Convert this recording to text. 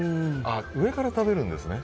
上から食べるんですね。